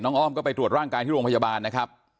อ้อมก็ไปตรวจร่างกายที่โรงพยาบาลนะครับ